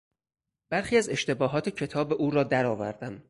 برخی از اشتباهات کتاب او را درآوردم.